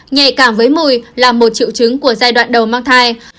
nhạy cảm với mùi là một triệu chứng của giai đoạn đầu mang thai